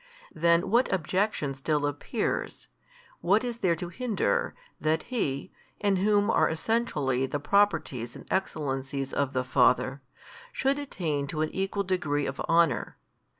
Then what objection still appears, what is there to hinder, that He, in Whom are Essentially the Properties and excellencies of the Father, should attain to an equal degree of honour?